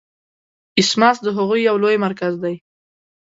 اسماس د هغوی یو لوی مرکز دی.